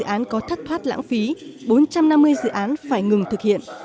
bốn trăm hai mươi hai dự án có thất thoát lãng phí bốn trăm năm mươi dự án phải ngừng thực hiện